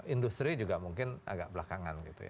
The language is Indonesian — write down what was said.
industri juga mungkin agak belakangan gitu ya